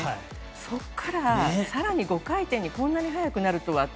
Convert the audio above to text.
そこから更に５回転にこんなに早くなるとはって。